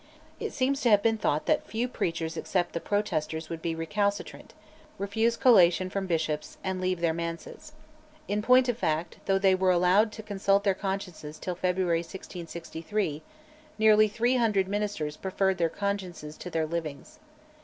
It seems to have been thought that few preachers except the Protesters would be recalcitrant, refuse collation from bishops, and leave their manses. In point of fact, though they were allowed to consult their consciences till February 1663, nearly 300 ministers preferred their consciences to their livings.